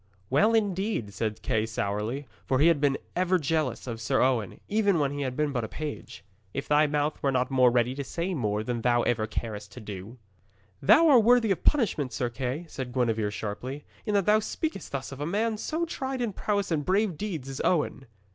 'Well, indeed,' said Sir Kay sourly, for he had ever been jealous of Sir Owen, even when he had been but a page, 'if thy mouth were not more ready to say more than thou ever carest to do.' 'Thou art worthy of punishment, Sir Kay,' said Gwenevere sharply, 'in that thou speakest thus of a man so tried in prowess and brave deeds as Owen.'